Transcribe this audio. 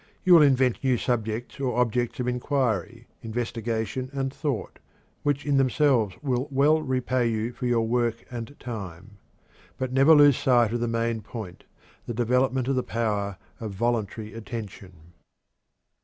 You will invent new subjects or objects of inquiry, investigation, and thought, which in themselves will well repay you for your work and time. But never lose sight of the main point the development of the power of voluntary attention.